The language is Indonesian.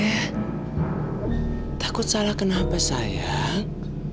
eh takut salah kenapa sayang